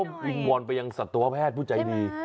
ก็วิงวอนไปยังสัตวแพทย์ผู้ใจดี